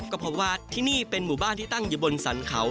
ก็เพราะว่าที่นี่เป็นหมู่บ้านที่ตั้งอยู่บนสรรเขา